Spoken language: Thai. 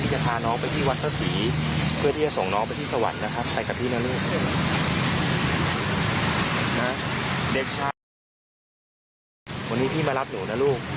หนูไปกับพี่นะลูก